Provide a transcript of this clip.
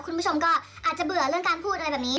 คุณผู้ชมก็อาจจะเบื่อเรื่องการพูดอะไรแบบนี้